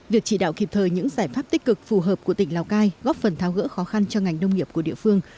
việc chỉ đạo kịp thời những giải pháp tích cực phù hợp của tỉnh lào cai góp phần tháo gỡ khó khăn cho ngành nông nghiệp của địa phương